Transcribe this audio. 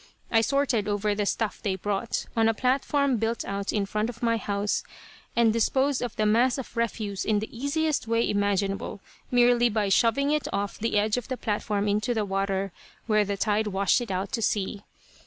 I sorted over the stuff they brought, on a platform built out in front of my house, and disposed of the mass of refuse in the easiest way imaginable, merely by shoving it off the edge of the platform into the water, where the tide washed it out to sea.